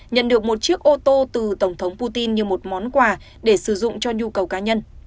nhận được một chiếc ô tô từ tổng thống putin như một món quà để sử dụng cho nhu cầu cá nhân